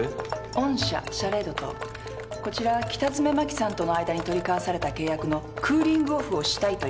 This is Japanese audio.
御社「シャレード」とこちら北詰麻紀さんとの間に取り交わされた契約のクーリングオフをしたいということです。